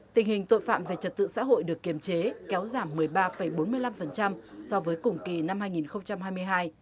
tình hình tội phạm về trật tự xã hội được kiềm chế kéo giảm một mươi ba bốn mươi năm so với cùng kỳ năm hai nghìn hai mươi hai